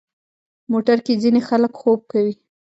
موټر کې ځینې خلک خوب کوي.